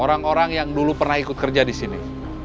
orang orang yang dulu pernah ikut kerja disini